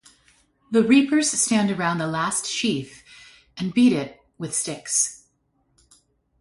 The reapers stand around the last sheaf and beat it with sticks.